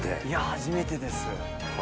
初めてです。